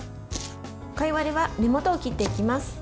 貝割れは根元を切っていきます。